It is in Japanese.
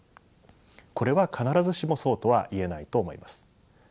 これは必ずしもそうとは言えないと思います。